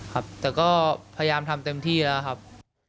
ครับแต่ก็พยายามทำเต็มที่แล้วครับ